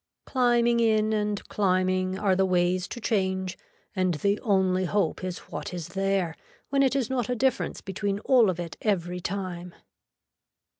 Climbing in and climbing are the ways to change and the only hope is what is there, when it is not a difference between all of it every time.